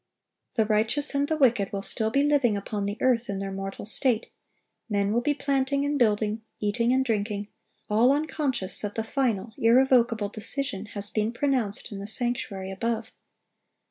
(875) The righteous and the wicked will still be living upon the earth in their mortal state,—men will be planting and building, eating and drinking, all unconscious that the final, irrevocable decision has been pronounced in the sanctuary above.